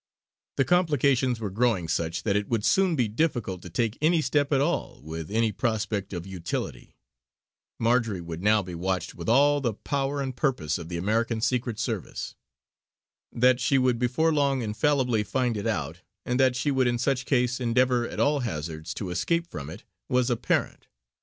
The complications were growing such that it would soon be difficult to take any step at all with any prospect of utility. Marjory would now be watched with all the power and purpose of the American Secret Service. That she would before long infallibly find it out, and that she would in such case endeavour at all hazards to escape from it, was apparent.